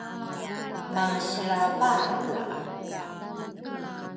Masilrava ku